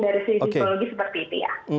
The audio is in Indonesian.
dari sisi psikologi seperti itu ya